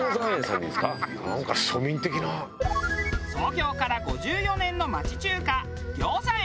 創業から５４年の町中華餃子苑。